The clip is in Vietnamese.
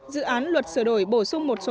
dự án luật sửa đổi bổ sung một số